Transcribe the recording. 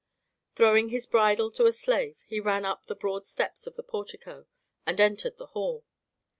Throwing his bridle to a slave he ran up the broad steps of the portico and entered the hall.